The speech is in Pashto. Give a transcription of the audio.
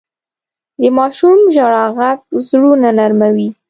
د ماشوم ژړا ږغ زړونه نرموي.